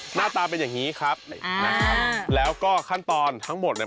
หน้าตาเป็นอย่างนี้ครับนะครับแล้วก็ขั้นตอนทั้งหมดเนี่ย